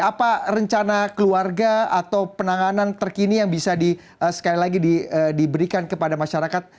apa rencana keluarga atau penanganan terkini yang bisa di sekali lagi diberikan kepada masyarakat